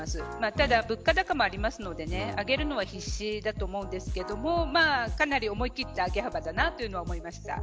ただ、物価高もありますのであげるのは必至だと思うんですがかなり思い切った上げ幅だなと思いました。